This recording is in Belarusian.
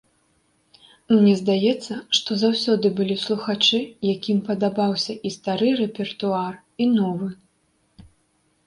Мне здаецца, што заўсёды былі слухачы, якім падабаўся і стары рэпертуар, і новы.